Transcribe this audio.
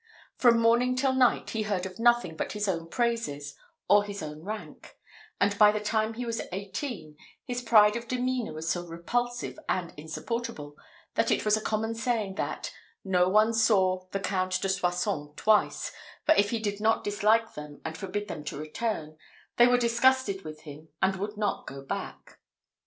From morning till night he heard of nothing but his own praises or his own rank; and by the time he was eighteen, his pride of demeanour was so repulsive and insupportable, that it was a common saying, that "No one saw the Count de Soissons twice; for if he did not dislike them and forbid them to return, they were disgusted with him and would not go back."